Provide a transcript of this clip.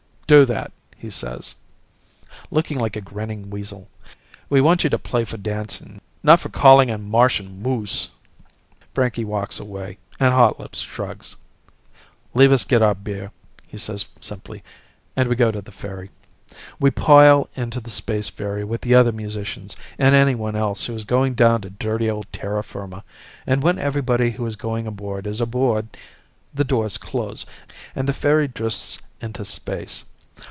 "Do that," he says, looking like a grinning weasel. "We want you to play for dancing, not for calling in Martian moose." Frankie walks away, and Hotlips shrugs. "Leave us get our beer," he says simply, and we go to the ferry. We pile into the space ferry with the other musicians and anyone else who is going down to dirty old terra firma, and when everybody who is going aboard is aboard, the doors close, and the ferry drifts into space.